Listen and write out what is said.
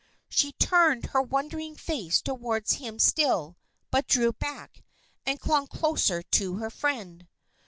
She turned her wondering face toward him still, but drew back, and clung closer to her friend.